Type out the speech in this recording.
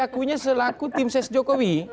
jadi aku diakunya selaku tim ses jokowi